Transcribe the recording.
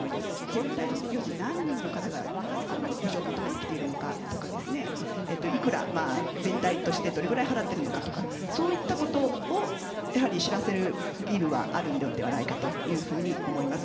全体像、要するに何人の方が補償を求め来ているのとかいくら全体として、どれくらい払っているのかとか、そういったことを知らせる義務はあるのではないかと思います。